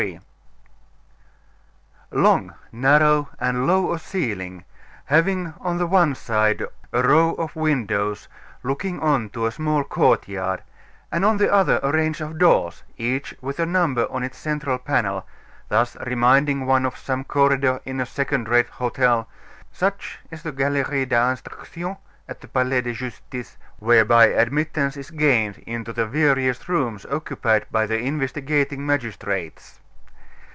XIV Long, narrow, and low of ceiling, having on the one side a row of windows looking on to a small courtyard, and on the other a range of doors, each with a number on its central panel, thus reminding one of some corridor in a second rate hotel, such is the Galerie d'Instruction at the Palais de Justice whereby admittance is gained into the various rooms occupied by the investigating magistrates.